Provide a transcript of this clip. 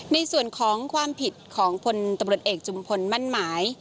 ในส่วนของความผิดของพลตำรวจเอกจุมพลมั่นหมาย